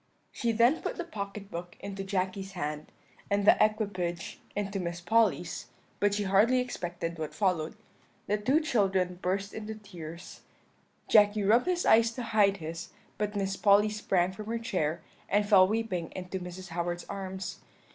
"She then put the pocket book into Jacky's hand, and the equipage into Miss Polly's; but she hardly expected what followed. The two children burst into tears; Jacky rubbed his eyes to hide his; but Miss Polly sprang from her chair, and fell weeping into Mrs. Howard's arms.